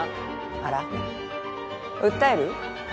あら訴える？